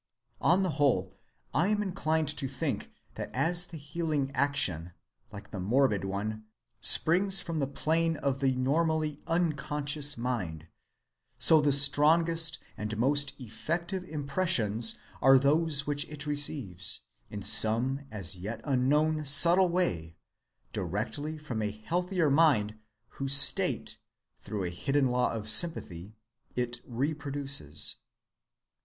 On the whole I am inclined to think that as the healing action, like the morbid one, springs from the plane of the normally _un_conscious mind, so the strongest and most effective impressions are those which it receives, in some as yet unknown, subtle way, directly from a healthier mind whose state, through a hidden law of sympathy, it reproduces."